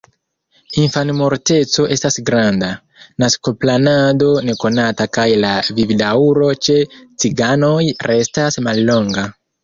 Infanmorteco estas granda, naskoplanado nekonata kaj la vivdaŭro ĉe ciganoj restas mallonga.